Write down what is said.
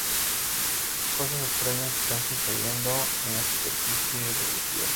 Cosas extrañas están sucediendo en la superficie de la Tierra.